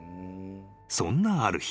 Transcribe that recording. ［そんなある日］